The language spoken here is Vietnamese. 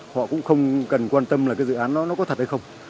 họ cũng không cần quan tâm là cái dự án nó có thật hay không